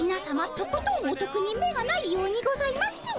とことんおとくに目がないようにございます。